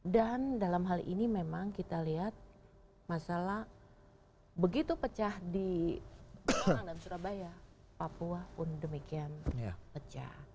dan dalam hal ini memang kita lihat masalah begitu pecah di malang dan surabaya papua pun demikian pecah